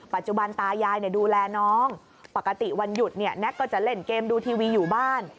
ปัจจุบันตายายดูแลน้องปกติวันหยุดเนี่ยแน็กก็จะเล่นเกมดูทีวีอยู่บ้าน